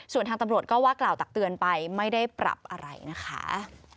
ส่วนทางตำรวจก็ว่ากล่าวตักเตือนไปไม่ได้ปรับอะไรนะคะ